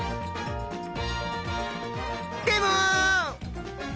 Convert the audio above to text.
でも！